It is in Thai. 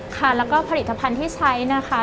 ค่ะแล้วก็ผลิตภัณฑ์ที่ใช้นะคะ